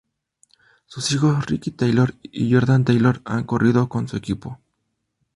Sus hijos Ricky Taylor y Jordan Taylor han corrido con su equipo.